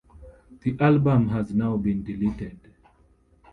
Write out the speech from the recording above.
The album has now been deleted.